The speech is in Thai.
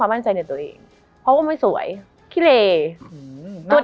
มันทำให้ชีวิตผู้มันไปไม่รอด